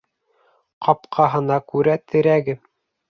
Ҡапҡаһына күрә терәге